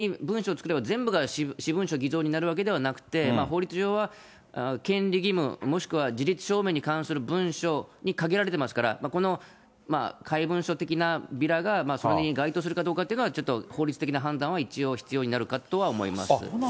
私文書偽造っていっても、他人の名前で勝手に文書を作れば、全部が私文書偽造になるわけではなくて、法律上は、権利義務、もしくは事実証明に関する文書に限られてますから、この怪文書的なビラがそれに該当するかどうかっていうのは、ちょっと法律的な判断は一応、そうなんですか？